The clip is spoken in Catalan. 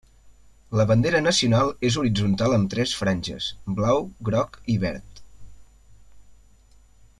La bandera nacional és horitzontal amb tres franges, blau, groc i verd.